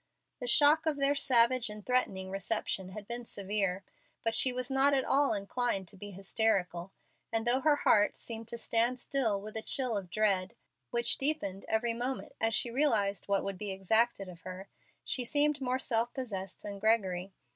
The shock of their savage and threatening reception had been severe, but she was not at all inclined to be hysterical; and though her heart seemed to stand still with a chill of dread which deepened every moment as she realized what would be exacted of her, she seemed more self possessed than Gregory.